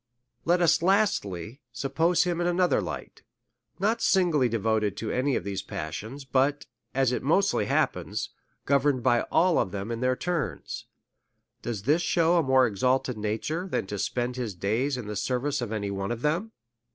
Let us lastly suppose him in another light, not singly devoted to any of these pas sions, but, as it mostly happens, governed by all of them in their turns — does this shew a more exalted nature, than to spend his days in the service of any one of tliem?